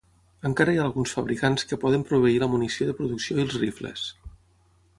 Encara hi ha alguns fabricants que poden proveir la munició de producció i els rifles.